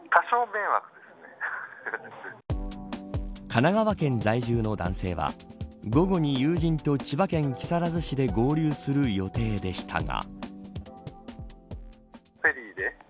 神奈川県在住の男性は午後に友人と千葉県木更津市で合流する予定でしたが。